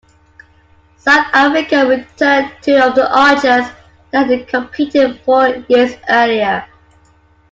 South Africa returned two of the archers that had competed four years earlier.